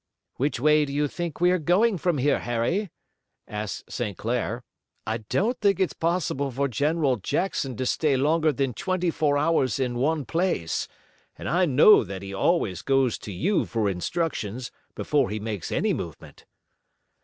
"Which way do you think we are going from here, Harry?" asked St. Clair. "I don't think it's possible for General Jackson to stay longer than twenty four hours in one place, and I know that he always goes to you for instructions before he makes any movement."